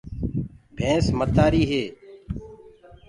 ڀينٚس متآريٚ هي